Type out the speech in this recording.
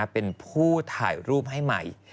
เป็นผู้ถ่ายรูปให้ใหม่